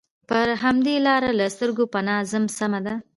پر همدې لاره له سترګو پناه ځم، سمه ده.